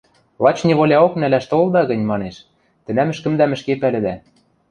– Лач неволяок нӓлӓш толыда гӹнь, – манеш, – тӹнӓм ӹшкӹмдӓм ӹшке пӓлӹдӓ.